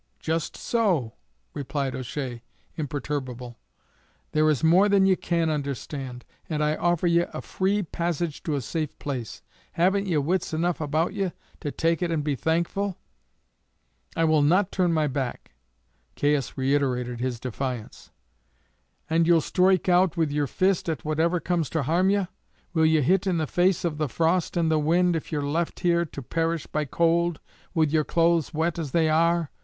"Just so," replied O'Shea, imperturbable; "there is more than ye can understand, and I offer ye a free passage to a safe place. Haven't ye wits enough about ye to take it and be thankful?" "I will not turn my back." Caius reiterated his defiance. "And ye'll stroike out with yer fist at whatever comes to harm ye? Will ye hit in the face of the frost and the wind if ye're left here to perish by cold, with your clothes wet as they are?